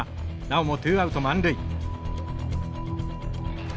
なおもツーアウト満塁。